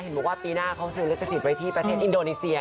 บอกว่าปีหน้าเขาซื้อลิขสิทธิไว้ที่ประเทศอินโดนีเซีย